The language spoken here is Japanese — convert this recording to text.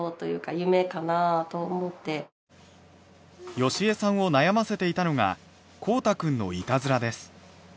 好江さんを悩ませていたのが皓大くんのいたずらです。